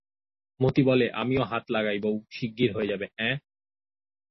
মতি বলে, আমিও হাত লাগাই বউ, শিগগির হয়ে যাবে, অ্যাঁ।